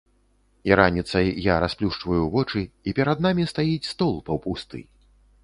І раніцай я расплюшчваю вочы і перад намі стаіць стол паўпусты.